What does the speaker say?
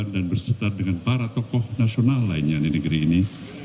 dan bersetar dengan para tokoh nasional lainnya di negeri ini